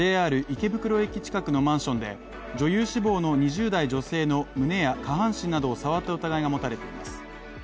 ＪＲ池袋駅近くのマンションで女優志望の２０代女性の下半身や胸を触った疑いが持たれています。